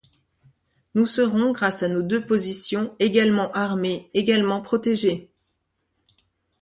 Nous serons, grâce à nos deux positions, également armés, également protégés!